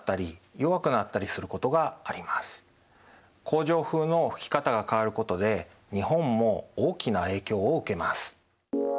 恒常風の吹き方が変わることで日本も大きな影響を受けます。